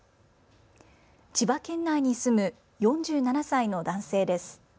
千葉県内に住む４７歳の男性です。